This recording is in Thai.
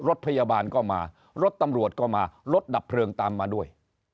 รถพยาบาลก็มารถตำรวจก็มารถดับเพลิงตามมาด้วย